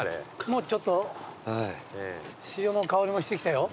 もうちょっと潮の香りもしてきたよ。